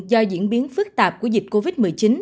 do diễn biến phức tạp của dịch covid một mươi chín